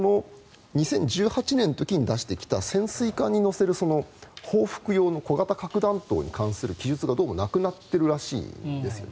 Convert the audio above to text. ２０１８年の時に出してきた潜水艦に載せる、報復用の小型核弾頭に関する記述がどうもなくなっているらしいんですよ。